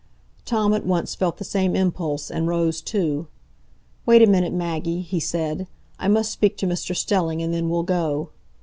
Tom at once felt the same impulse, and rose too. "Wait a minute, Maggie," he said. "I must speak to Mr Stelling, and then we'll go."